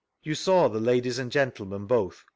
You saw the ladies and gentlemen both.